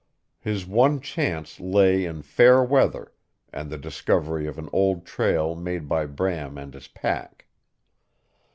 His one chance lay in fair weather, and the discovery of an old trail made by Bram and his pack.